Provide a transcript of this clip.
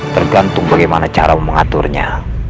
tergantung bagaimana cara mengaturnya